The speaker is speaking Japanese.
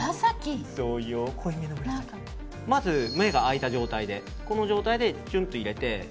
まず、目が開いた状態でこの状態でチョンっと入れて。